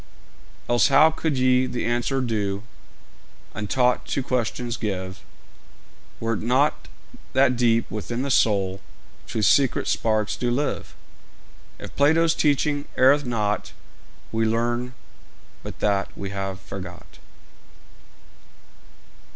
Else how could ye the answer due Untaught to questions give, Were't not that deep within the soul Truth's secret sparks do live? If Plato's teaching erreth not, We learn but that we have forgot.